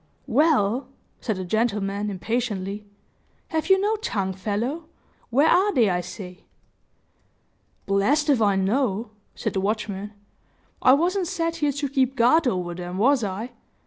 "Well!" said the gentleman, impatiently, "have you no tongue, fellow? Where are they, I say?" "Blessed if I know," said the watchman. "I, wasn't set here to keep guard over them was I?